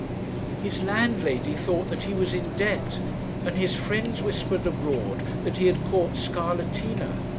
His landlady thought that he was in debt, and his friends whispered abroad that he had caught scarlatina.